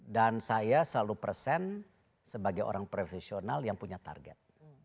dan saya selalu present sebagai orang profesional yang punya target